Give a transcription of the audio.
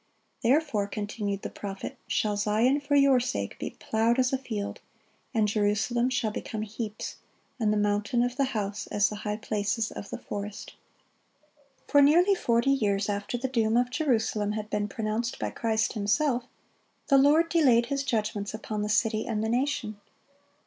"Therefore," continued the prophet, "shall Zion for your sake be plowed as a field, and Jerusalem shall become heaps, and the mountain of the house as the high places of the forest."(36) For nearly forty years after the doom of Jerusalem had been pronounced by Christ Himself, the Lord delayed His judgments upon the city and the nation.